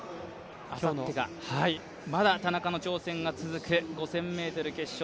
あさって、まだ田中の挑戦は続く５０００ｍ決勝。